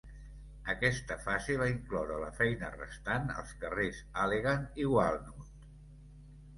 Aquesta fase va incloure la feina restant als carrers Allegan i Walnut.